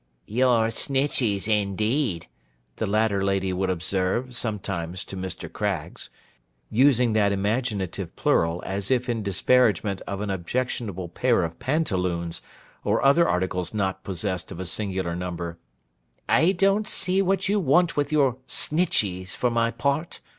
'Your Snitcheys indeed,' the latter lady would observe, sometimes, to Mr. Craggs; using that imaginative plural as if in disparagement of an objectionable pair of pantaloons, or other articles not possessed of a singular number; 'I don't see what you want with your Snitcheys, for my part.